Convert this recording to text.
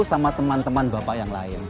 sama teman teman bapak yang lain